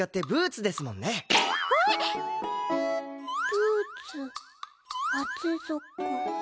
ブーツ厚底。